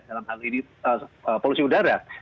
dalam hal ini polusi udara